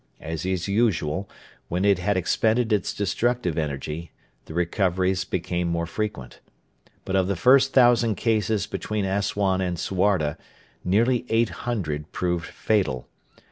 As is usual, when it had expended its destructive energy, the recoveries became more frequent. But of the first thousand cases between Assuan and Suarda nearly eight hundred proved fatal.